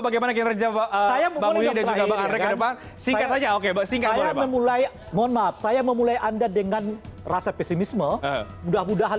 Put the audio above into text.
bagaimana kinerja pak saya memulai mohon maaf saya memulai anda dengan rasa pesimisme mudah mudahan